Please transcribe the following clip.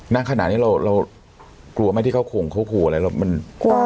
นั่งขนาดนี้เรากลัวไหมที่เขาโขงเขากลัวอะไรเรามันกลัว